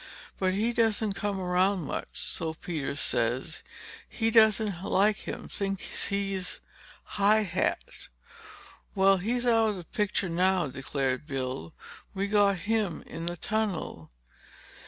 But he doesn't come around much, so Peters says. He doesn't like him—thinks he's high hat." "Well, he's out of the picture, now," declared Bill. "We got him in the tunnel."